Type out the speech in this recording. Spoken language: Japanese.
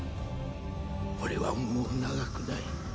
俺はもう長くない。